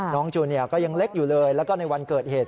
จูเนียก็ยังเล็กอยู่เลยแล้วก็ในวันเกิดเหตุ